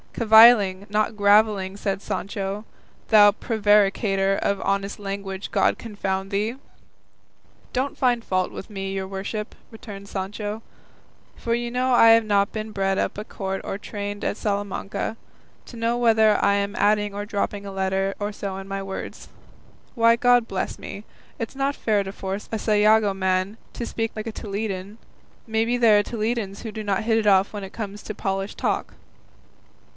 "Cavilling, not gravelling," said Don Quixote, "thou prevaricator of honest language, God confound thee!" "Don't find fault with me, your worship," returned Sancho, "for you know I have not been bred up at court or trained at Salamanca, to know whether I am adding or dropping a letter or so in my words. Why! God bless me, it's not fair to force a Sayago man to speak like a Toledan; maybe there are Toledans who do not hit it off when it comes to polished talk."